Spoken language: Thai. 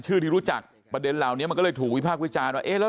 ที่รู้จักประเด็นเหล่านี้มันก็เลยถูกวิพากษ์วิจารณ์ว่าเอ๊ะแล้ว